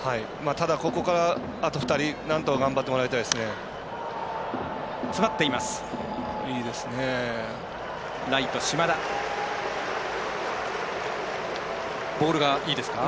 ただ、ここからあと２人、なんとか頑張ってもらいたいですね。